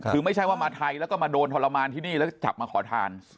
คือไม่ใช่ว่ามาไทยแล้วก็มาโดนทรมานที่นี่แล้วก็จับมาขอทาน